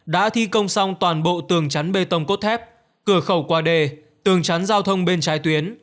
đã thi công xong toàn bộ tường chắn bê tông cốt thép cửa khẩu qua đê tường chắn giao thông bên trái tuyến